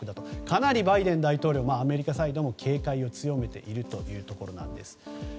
かなりバイデン大統領アメリカサイドも警戒を強めているということです。